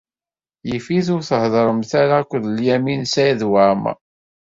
Yif-it ur theddṛemt ara akked Lyamin n Saɛid Waɛmeṛ.